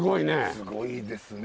すごいですね。